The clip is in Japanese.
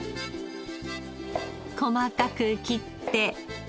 細かく切って。